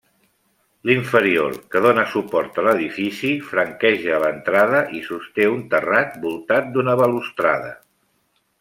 L'inferior, que dóna suport a l'edifici, franqueja l'entrada i sosté un terrat voltat d'una balustrada.